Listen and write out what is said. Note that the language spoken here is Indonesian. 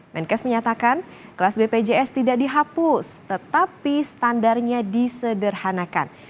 menkes menyatakan kelas bpjs tidak dihapus tetapi standarnya disederhanakan